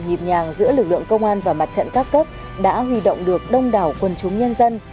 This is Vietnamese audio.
nhịp nhàng giữa lực lượng công an và mặt trận các cấp đã huy động được đông đảo quân chúng nhân dân